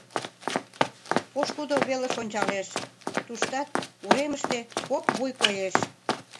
Пошкудо велыш ончалеш — туштат, уремыште, кок вуй коеш.